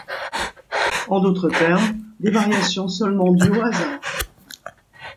En d'autres termes, des variations seulement dues au hasard.